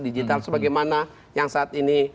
digital sebagaimana yang saat ini